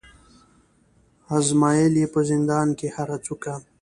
آزمېیل یې په زندان کي هره څوکه